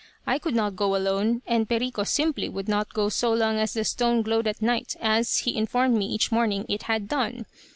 I could not go alone, and Perico simply would not go so long as the stone glowed at night, as, he informed me each morning, it had done.